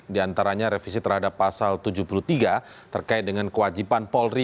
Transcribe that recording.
di antaranya revisi terhadap pasal tujuh puluh tiga terkait dengan kewajiban polri